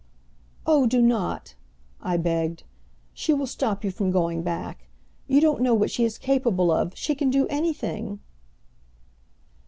"Oh, do not," I begged. "She will stop you from going back. You don't know what she is capable of; she can do anything!"